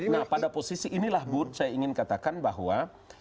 nah pada posisi inilah bu saya ingin katakan bahwa